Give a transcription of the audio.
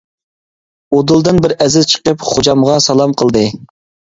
ئۇدۇلدىن بىر ئەزىز چىقىپ خوجامغا سالام قىلدى.